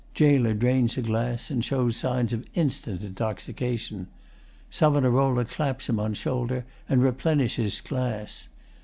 [GAOLER drains a glass and shows signs of instant intoxication. SAV. claps him on shoulder and replenishes glass.